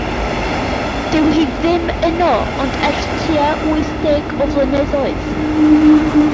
Dyw hi ddim yno ond ers tua wyth deg o flynyddoedd.